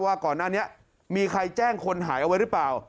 ว่าก่อนหน้านี้มีใครแจ้งคนหายเอาไว้หรือเปล่า